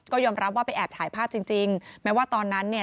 ก็ยอมรับว่าไปแอบถ่ายภาพจริงจริงแม้ว่าตอนนั้นเนี่ย